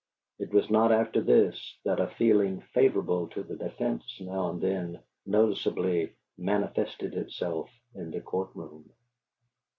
It was after this, that a feeling favorable to the defence now and then noticeably manifested itself in the courtroom.